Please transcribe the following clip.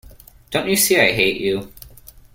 Don't you see I hate you.